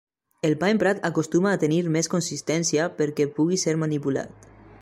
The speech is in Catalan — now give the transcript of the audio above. El pa emprat acostuma a tenir més consistència perquè pugui ser manipulat.